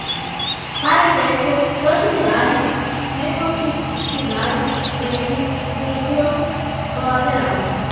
parentesco, proximidade, remoticidade, prende, vincula, colateral